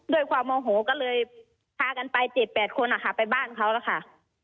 ด้วยความโมโหก็เลยพากันไป๗๘คนไปบ้านเขาแล้วค่ะ